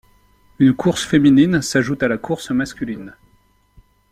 Une course féminine s'ajoute à la course masculine.